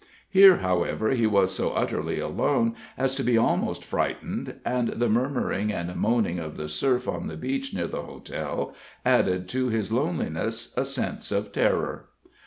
Here, however, he was so utterly alone as to be almost frightened, and the murmuring and moaning of the surf on the beach near the hotel added to his loneliness a sense of terror.